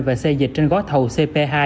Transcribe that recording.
và xây dịch trên gói thầu cp hai